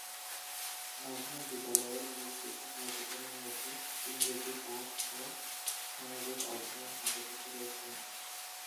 মাধ্যমিক বিদ্যালয়ের মূল শিক্ষা কার্যক্রমের মধ্যে ইংরেজি, পাঠ এবং সামাজিক অধ্যয়ন অন্তর্ভুক্ত রয়েছে।